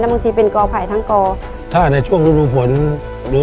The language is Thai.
ในแคมเปญพิเศษเกมต่อชีวิตโรงเรียนของหนู